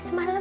di mana sih